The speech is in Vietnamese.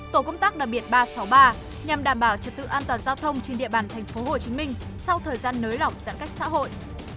tổ công tác đặc biệt ba trăm sáu mươi ba nhằm đảm bảo trực tự an toàn giao thông trên địa bàn thành phố hồ chí minh sau thời gian nới lỏng giãn cách xã hội